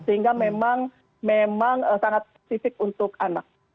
sehingga memang sangat spesifik untuk anak